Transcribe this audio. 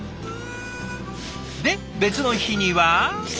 で別の日には。